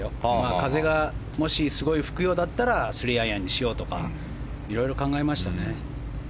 風がすごい吹くようでしたら３アイアンにしようとか色々考えましたね。